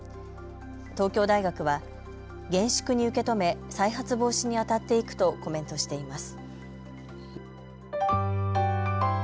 東京大学は厳粛に受け止め再発防止にあたっていくとコメントしています。